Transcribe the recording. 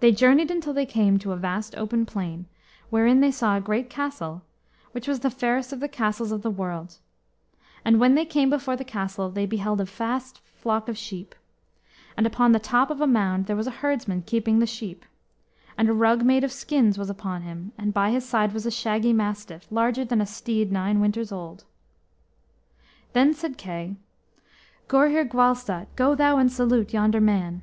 They journeyed until they came to a vast open plain, wherein they saw a great castle, which was the fairest of the castles of the world. And when they came before the castle, they beheld a vast flock of sheep. And upon the top of a mound there was a herdsman keeping the sheep. And a rug made of skins was upon him, and by his side was a shaggy mastiff, larger than a steed nine winters old. Then said Kay, "Gurhyr Gwalstat, go thou and salute yonder man."